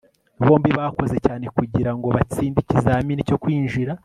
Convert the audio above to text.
bombi bakoze cyane kugirango batsinde ikizamini cyo kwinjira